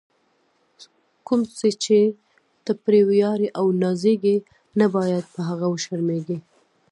کوم څه چې ته پرې ویاړې او نازېږې، نه باید په هغه وشرمېږې.